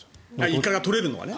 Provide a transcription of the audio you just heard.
イカが取れるのはね。